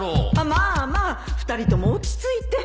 まあまあ２人とも落ち着いて